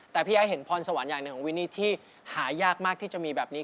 แต่พี่ไอ้เห็นพรสวรรค์อย่างหนึ่งของวินนี่ที่หายากมากที่จะมีแบบนี้